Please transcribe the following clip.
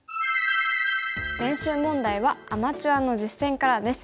練習問題はアマチュアの実戦からです。